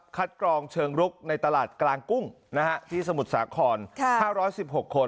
กรองเชิงรุกในตลาดกลางกุ้งที่สมุทรสาคร๕๑๖คน